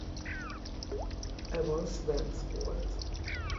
Evans-Wentz volt.